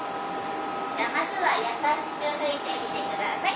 じゃあまずは優しく吹いてみてください。